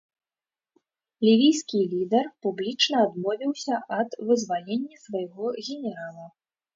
Лівійскі лідар публічна адмовіўся ад вызвалення свайго генерала.